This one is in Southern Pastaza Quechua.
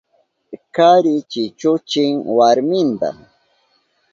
Kari chichuchin warminta.